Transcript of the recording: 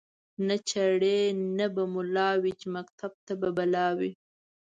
نه چړي نه به مُلا وی چي مکتب ته به بلا وي